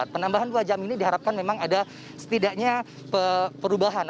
penambahan dua jam ini diharapkan memang ada setidaknya perubahan